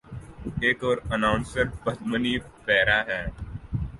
ایک اور اناؤنسر پدمنی پریرا ہیں۔